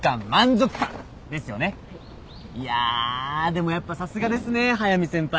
いやでもやっぱさすがですね速見先輩。